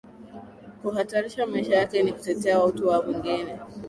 kuhatarisha maisha yake ili kutetea utu wa wengine